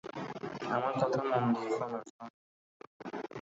আমার কথা মন দিয়ে শোনো, শন।